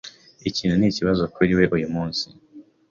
Ikintu ni ikibazo kuri we uyu munsi.